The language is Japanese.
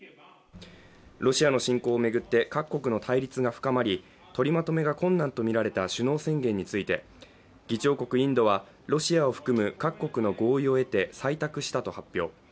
ロシアの侵攻を巡って各国の対立が深まり取りまとめが困難とみられた首脳宣言について議長国・インドはロシアを含む各国の合意を得て採択したと発表。